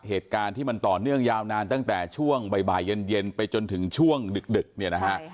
เหตุการณ์ที่มันต่อเนื่องยาวนานตั้งแต่ช่วงบ่ายเย็นไปจนถึงช่วงดึกเนี่ยนะฮะ